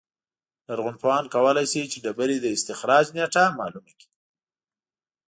لرغونپوهان کولای شي چې د ډبرې د استخراج نېټه معلومه کړي